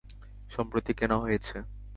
সম্প্রতি কেনা হয়েছে।